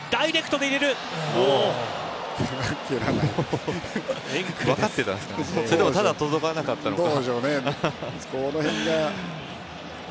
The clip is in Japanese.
それともただ届かなかったのか。